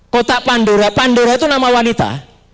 kotak pandora pandora itu nama wanita